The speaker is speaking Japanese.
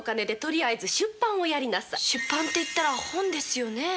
出版っていったら本ですよね？